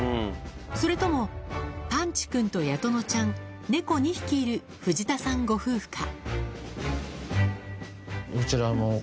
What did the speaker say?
それともぱんち君とヤトノちゃん猫２匹いる藤田さんご夫婦か？